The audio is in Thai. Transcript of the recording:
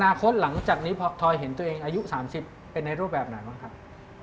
คตหลังจากนี้พอเห็นตัวเองอายุ๓๐เป็นในรูปแบบไหนบ้างครับ